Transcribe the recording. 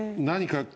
何か。